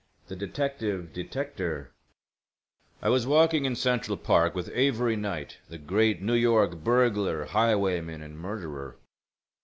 '" THE DETECTIVE DETECTOR I was walking in Central Park with Avery Knight, the great New York burglar, highwayman, and murderer.